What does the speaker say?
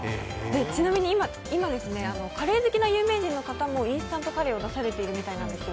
ちなみに今、カレー好きな有名人の方もインスタントカレーを出されているみたいなんですよ。